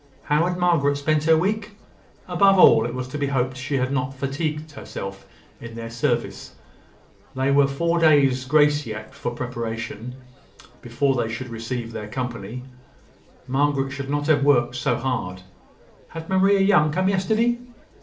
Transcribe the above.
How had Margaret spent her week? Above all, it was to be hoped she had not fatigued herself in their service. There were four days' grace yet for preparation, before they should receive their company. Margaret should not have worked so hard. Had Maria Young come yesterday?